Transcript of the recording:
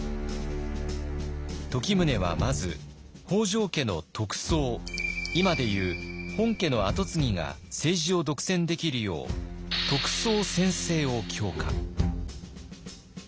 時宗はまず北条家の得宗今でいう本家の跡継ぎが政治を独占できるよう得宗専制を強化。